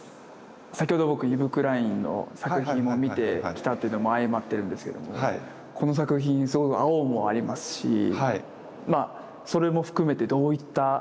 先ほど僕イヴ・クラインの作品も見てきたっていうのも相まってるんですけどもこの作品すごく青もありますしそれも含めてどういった？